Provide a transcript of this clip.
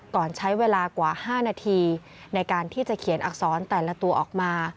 ก่อนใช้เวลากว่า๕นาทีในการที่จะเขียนอักษรแต่ละตัวออกมา